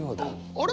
あれ？